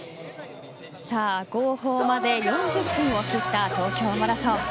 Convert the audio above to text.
号砲まで４０分を切った東京マラソンです。